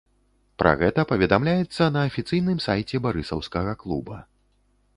Пра гэта паведамляецца на афіцыйным сайце барысаўскага клуба.